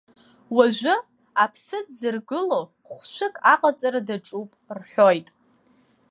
Уажәы, аԥсы дзыргыло хәшәык аҟаҵара даҿуп, рҳәоит.